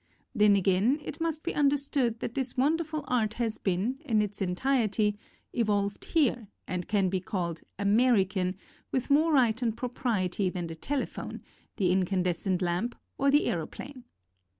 Then again, it friust be understood that this wonderful art has been, in its en tirety, evolved here and can be called "American" with more right and propriety than the telephone, the incandescent lamp or the aeroplane.